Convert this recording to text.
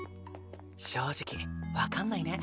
正直分かんないね。